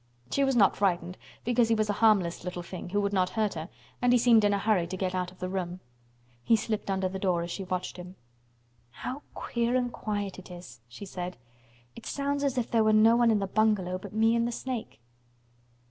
She was not frightened, because he was a harmless little thing who would not hurt her and he seemed in a hurry to get out of the room. He slipped under the door as she watched him. "How queer and quiet it is," she said. "It sounds as if there were no one in the bungalow but me and the snake."